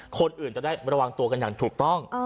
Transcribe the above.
คนอื่นจะได้ระวังตัวกันอย่างถูกต้อง